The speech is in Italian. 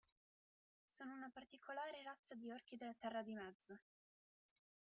Sono una particolare razza di Orchi della Terra di Mezzo.